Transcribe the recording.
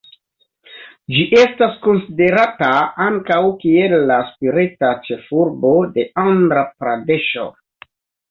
Ĝi estas konsiderata ankaŭ kiel la spirita ĉefurbo de Andra-Pradeŝo.